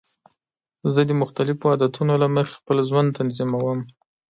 زه د مختلفو عادتونو له مخې خپل ژوند تنظیم کوم.